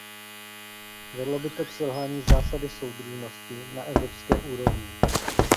Vedlo by to k selhání zásady soudržnosti na evropské úrovni.